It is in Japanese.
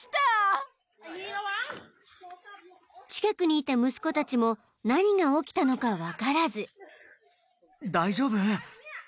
［近くにいた息子たちも何が起きたのか分からず］